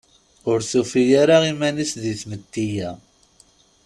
Ur tufi ara iman-is di tmetti-a.